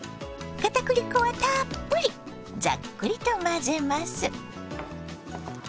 かたくり粉はたっぷりざっくりと混ぜます。